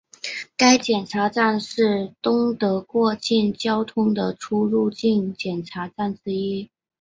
该检查站是东德过境交通的出入境检查站之一。